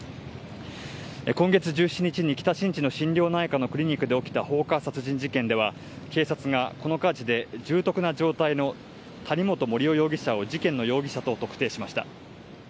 今月１７日に北新地の心療内科のクリニックで起きた放火殺人事件では、警察がこの火事で重篤な状態の谷本盛雄容疑者を事件の容疑者と特定しました。